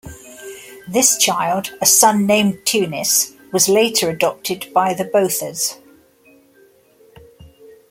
This child, a son named Theunis, was later adopted by the Bothas.